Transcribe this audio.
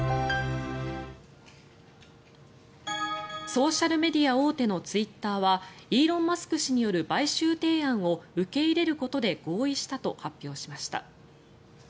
ソーシャルメディア大手のツイッターはイーロン・マスク氏による買収提案を受け入れることで合意したと発表しました。